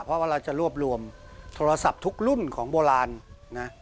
เพราะว่าเราจะรวบรวมโทรศัพท์ทุกรุ่นของโบราณนะ